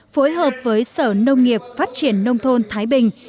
phối hợp với sở nông nghiệp phát triển nông thôn thái bình